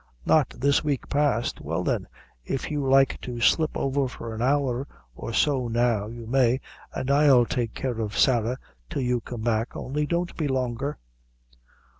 "Not this week past." "Well, then, if you like to slip over for an hour or so now, you may, an' I'll take care of Sarah till you come back; only don't be longer."